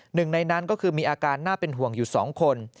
หนึ่งในนั้นก็คือมีอาการน่าเป็นห่วงอยู่๒คน